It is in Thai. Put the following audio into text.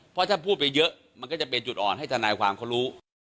เพราะถ้าพูดไปเยอะมันก็จะเป็นจุดอ่อนให้ทนายความเขารู้